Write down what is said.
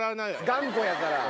頑固やから。